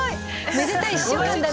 めでたい１週間だね。